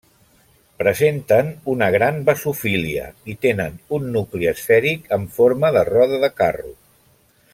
Presenten una gran basofília i tenen un nucli esfèric amb forma de roda de carro.